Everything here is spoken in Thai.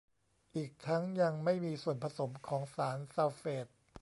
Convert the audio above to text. อีกทั้งยังไม่มีส่วนผสมของสารซัลเฟต